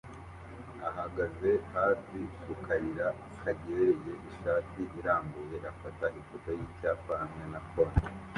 ahagaze hafi ku kayira kegereye ishati irambuye afata ifoto y’icyapa hamwe na cone